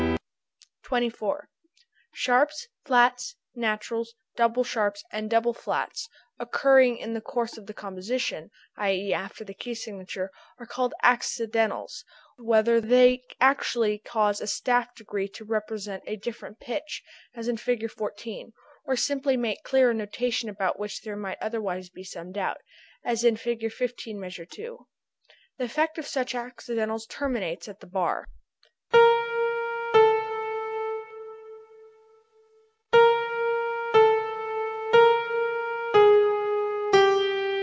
[Illustration: Fig. 12.] [Illustration: Fig. 13.] 24. Sharps, flats, naturals, double sharps and double flats, occurring in the course of the composition (i.e., after the key signature) are called accidentals, whether they actually cause a staff degree to represent a different pitch as in Fig. 14 or simply make clear a notation about which there might otherwise be some doubt as in Fig. 15, measure two. The effect of such accidentals terminates at the bar.